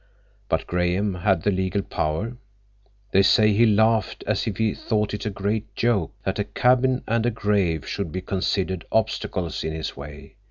But Graham had the legal power; they say he laughed as if he thought it a great joke that a cabin and a grave should be considered obstacles in his way.